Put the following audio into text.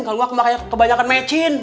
kalau nggak kebanyakan mecin